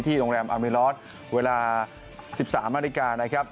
ที่โรงแรมอัมเวลา๑๓นาฬิกานะครับ